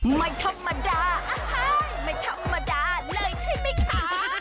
ไม่ธรรมดาอาหารไม่ธรรมดาเลยใช่ไหมคะ